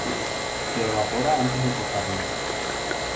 Se evapora antes de tocarlo.